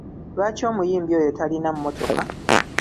Lwaki omuyimbi oyo talina mmotoka?